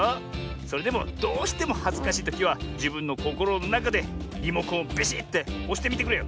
それでもどうしてもはずかしいときはじぶんのこころのなかでリモコンをビシッておしてみてくれよ。